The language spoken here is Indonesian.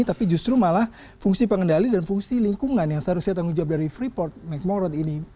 tapi justru malah fungsi pengendali dan fungsi lingkungan yang seharusnya tanggung jawab dari freeport mcmorot ini